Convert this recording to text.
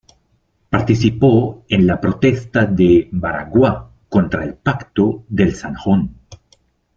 Participó en la Protesta de Baraguá contra el Pacto del Zanjón.